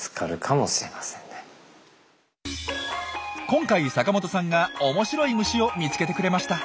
今回阪本さんが面白い虫を見つけてくれました。